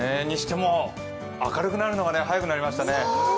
にしても、明るくなるのが早くなりましたね。